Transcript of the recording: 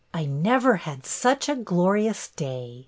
I never had such a glorious day.